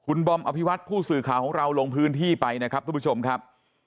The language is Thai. คุณบอมอภิวัตผู้สื่อข่าวของเราลงพื้นที่ไปนะครับทุกผู้ชมครับ